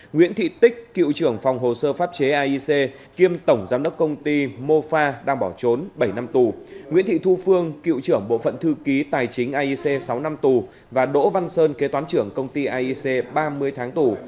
nguyễn thị thu phương cựu trưởng bộ phận thư ký tài chính iec sáu năm tù và đỗ văn sơn kế toán trưởng công ty iec ba mươi tháng tù